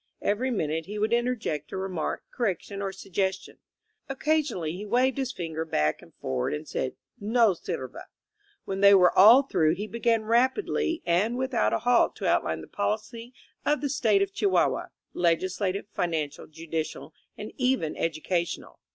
Every minute he would interject a remark, correction or suggestion. Occasionally he waved his finger back and forward and said: "No sirve. When they were all through he began rapidly and without a halt to outline the policy of the State of Chihuahua, legislative, financial, judicial, and even edu cational.